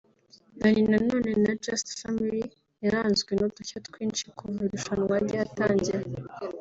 Danny Nanone na Just Family yaranzwe n’udushya twinshi kuva irushanwa ryatangira